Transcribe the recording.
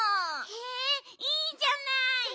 へえいいじゃない！